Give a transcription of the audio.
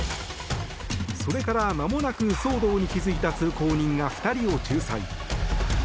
それからまもなく騒動に気付いた通行人が２人を仲裁。